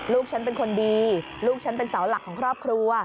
ลูกฉันเป็นคนดีลูกฉันเป็นเสาหลักของครอบครัว